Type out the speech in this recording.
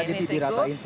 jadi diratain semua